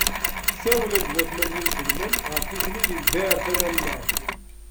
Sawlen-d watmaten inselmen ɣer tikli di lezzayer tamanaɣt.